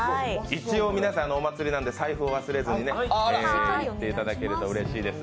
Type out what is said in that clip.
一応皆さんお祭りなんで財布を忘れずに行っていただけるとうれしいです。